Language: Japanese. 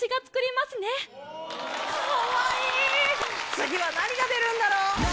次は何が出るんだろう？